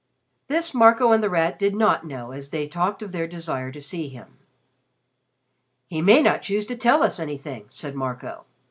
This Marco and The Rat did not know as they talked of their desire to see him. "He may not choose to tell us anything," said Marco.